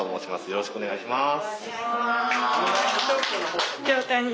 よろしくお願いします。